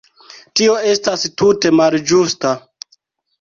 Tio estas tute malĝusta.